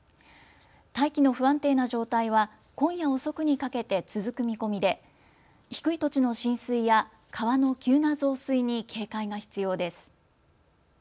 大気の不安定な状態は今夜遅くにかけて続く見込みで低い土地の浸水や川の急な増水に警戒が必要です。